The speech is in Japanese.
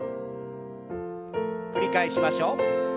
繰り返しましょう。